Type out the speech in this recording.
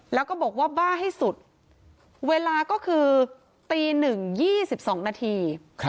แล้วก็บอกว่าบ้าให้สุดเวลาก็คือตี๑๒๒นาที